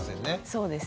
そうですね。